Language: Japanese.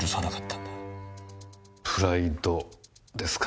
プライドですか？